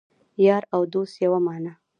یار او دوست یوه معنی